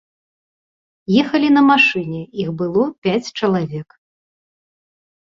Ехалі на машыне, іх было пяць чалавек.